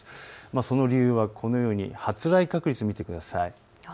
その理由は、このように発雷確率、見てください。